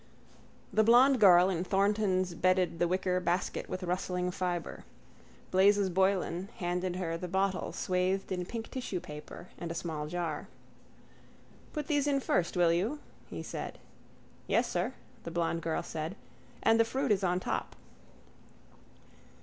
The blond girl in Thornton's bedded the wicker basket with rustling fibre. Blazes Boylan handed her the bottle swathed in pink tissue paper and a small jar. —Put these in first, will you? he said. —Yes, sir, the blond girl said. And the fruit on top.